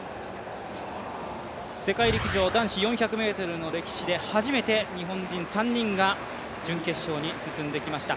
世界陸上男子４００ｍの歴史で初めて日本人３人が準決勝に進んできました。